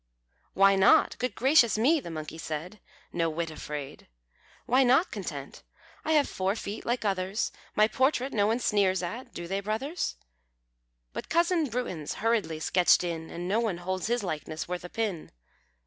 "Why not? Good gracious me!" The monkey said, No whit afraid "Why not content? I have four feet like others, My portrait no one sneers at do they, brothers? But cousin Bruins hurriedly sketched in, And no one holds his likeness worth a pin."